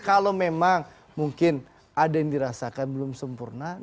kalau memang mungkin ada yang dirasakan belum sempurna